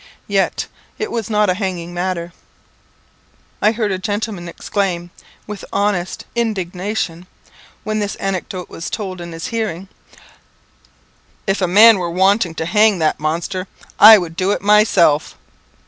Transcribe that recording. Yet it was not a hanging matter. I heard a gentleman exclaim with honest indignation, when this anecdote was told in his hearing "If a man were wanting to hang that monster, I would do it myself."